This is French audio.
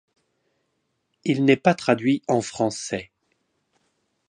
Il n'est pas traduit en français.